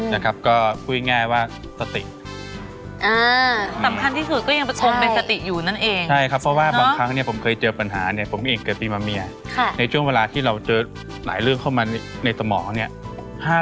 ใช่เพราะทุกครั้งที่เราตั้งสติเนี่ยมันจะมีปัญญาตามมา